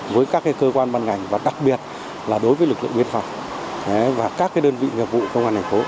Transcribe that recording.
với các cơ quan ban ngành và đặc biệt là đối với lực lượng biên phòng